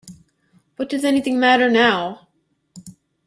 What does anything matter now?